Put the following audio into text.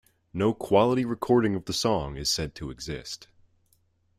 No quality recording of the song is said to exist.